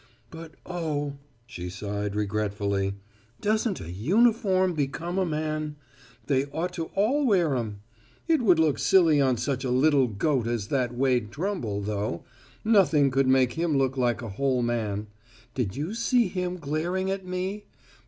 But, oh," she sighed regretfully, "doesn't a uniform become a man? They ought to all wear 'em. It would look silly on such a little goat as that Wade Trumble, though: nothing could make him look like a whole man. Did you see him glaring at me?